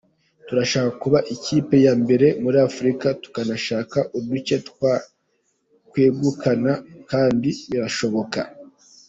Turashaka kuba ikipe ya mbere muri Afurika tukanashaka uduce twakwegukana kandi birashoboka.